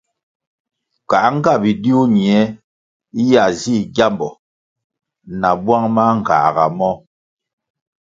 Kā nga bidiu ñie ya zih gyambo na bwang mangāga mo?